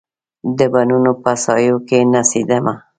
د بڼوڼو په سایو کې نڅېدمه